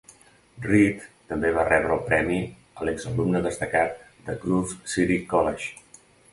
Reed també va rebre el premi a l'exalumne destacat de Grove City College.